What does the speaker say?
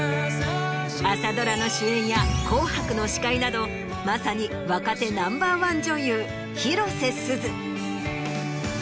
朝ドラの主演や『紅白』の司会などまさに若手ナンバーワン。